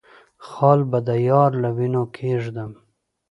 خال به د يار له وينو کېږدم